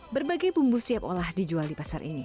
berbagai bumbu siap olah dijual di pasar ini